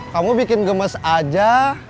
kamu bikin gemes aja